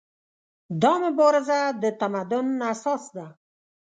دا مبارزه د تمدن اساس ده.